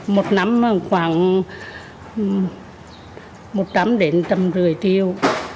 một năm khoảng một trăm linh đến trăm rưỡi tiêu